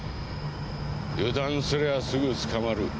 油断すればすぐ捕まる。